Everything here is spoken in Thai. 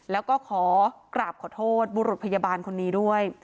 แล้วก็ขอกราบขอโทษบุรุษพยาบาลคนนี้ด้วย